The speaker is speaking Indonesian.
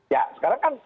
ya sekarang kan